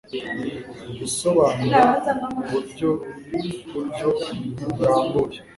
gusobanura mu buryo buryo burambuye